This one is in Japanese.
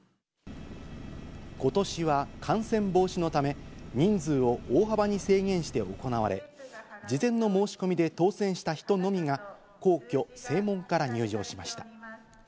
ことしは感染防止のため、人数を大幅に制限して行われ、事前の申し込みで当せんした人のみが、皇居・正門から入場しました。